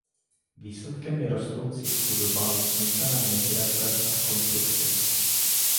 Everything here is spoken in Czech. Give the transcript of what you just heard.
Výsledkem je rostoucí chudoba, nucená migrace a konflikty.